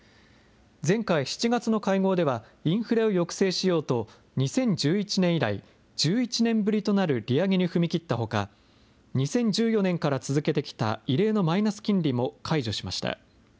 前回・７月の会合では、インフレを抑制しようと２０１１年以来、１１年ぶりとなる利上げに踏み切ったほか、２０１４年から続けてきた異例のマイナス金利も解除しました。